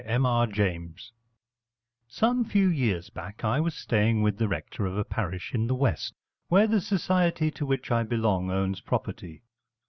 MARTIN'S CLOSE Some few years back I was staying with the rector of a parish in the West, where the society to which I belong owns property.